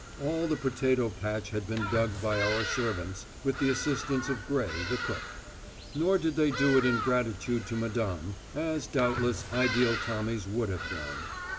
All the potato patch had been dug by our servants, with the assistance of Gray, the cook. Nor did they do it in gratitude to Madame, as, doubtless, ideal Tommies would have done.